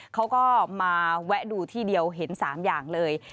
เขาก็มาแวะดูที่เดียวเห็น๓อย่างเลย